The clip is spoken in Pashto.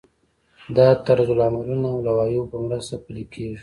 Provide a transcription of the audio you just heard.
دا د طرزالعملونو او لوایحو په مرسته پلی کیږي.